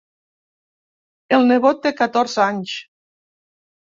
El nebot té catorze anys.